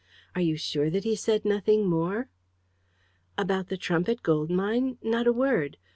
Are you sure that he said nothing more?" "About the Trumpit Gold Mine? Not a word.